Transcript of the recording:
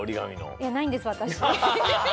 いやないんですわたし。